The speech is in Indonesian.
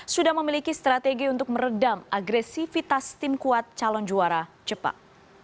sudah memiliki strategi untuk meredam agresivitas tim kuat calon juara jepang